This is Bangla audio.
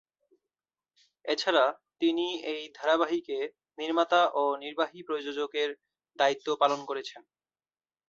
এছাড়া তিনি এই ধারাবাহিকে নির্মাতা ও নির্বাহী প্রযোজকের দায়িত্ব পালন করছেন।